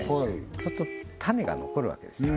そうすると種が残るわけですよ